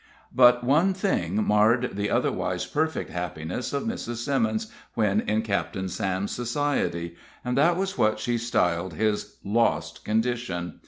But one thing marred the otherwise perfect happiness of Mrs. Simmons when in Captain Sam's society, and that was what she styled his "lost condition."